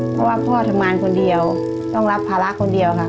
เพราะว่าพ่อทำงานคนเดียวต้องรับภาระคนเดียวค่ะ